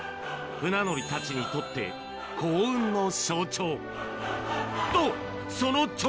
船乗りたちにとって、幸運の象徴。